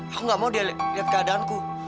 aku gak mau dia lihat keadaanku